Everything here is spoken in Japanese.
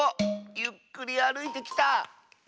ゆっくりあるいてきた！